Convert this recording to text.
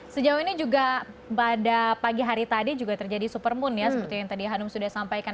sejauh ini juga pada pagi hari tadi juga terjadi supermoon ya seperti yang tadi hanum sudah sampaikan